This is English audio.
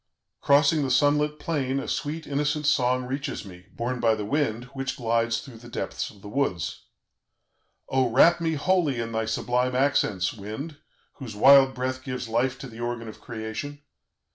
Crossing the sun lit plain, a sweet, innocent song reaches me, borne by the wind, which glides through the depths of the woods. "Oh, wrap me wholly in thy sublime accents, wind, whose wild breath gives life to the organ of Creation!